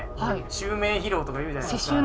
襲名披露とかいうじゃないですか。